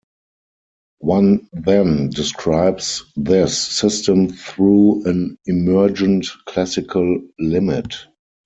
One then describes this system through an emergent classical limit.